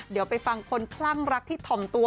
เดี๋ยวไปฟังคนคลั่งรักที่ถ่อมตัว